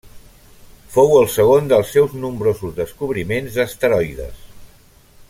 Fou el segon dels seus nombrosos descobriments d'asteroides.